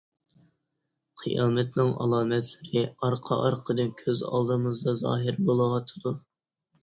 قىيامەتنىڭ ئالامەتلىرى ئارقا-ئارقىدىن كۆز ئالدىمىزدا زاھىر بولۇۋاتىدۇ.